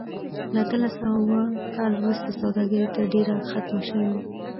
له اتلس سوه اووه کال وروسته سوداګري تر ډېره ختمه شوې وه.